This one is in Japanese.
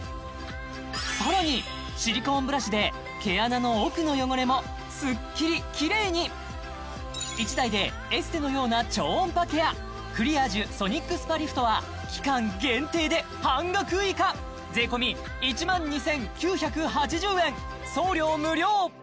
さらにシリコーンブラシで毛穴の奥の汚れもスッキリキレイに１台でエステのような超音波ケアクリアージュソニックスパリフトは期間限定で半額以下送料無料！